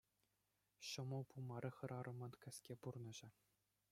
Ҫӑмӑл пулмарӗ хӗрарӑмӑн кӗске пурнӑҫӗ.